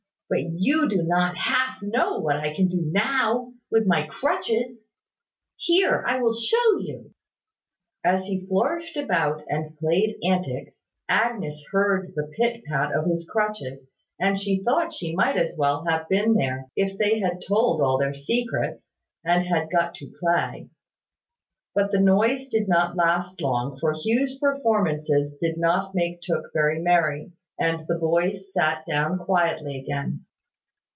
But you do not half know what I can do now, with my crutches. Here, I will show you." As he flourished about, and played antics, Agnes heard the pit pat of his crutches, and she thought she might as well have been there, if they had told all their secrets, and had got to play. But the noise did not last long, for Hugh's performances did not make Tooke very merry; and the boys sat down quietly again.